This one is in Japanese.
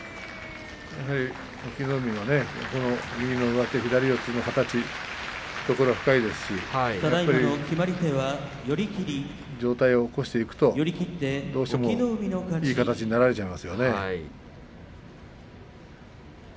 やはり隠岐の海の右四つ左上手の形、懐が深いですしやはり上体を起こしていくとどうしてもいい形になられちゃいますよね。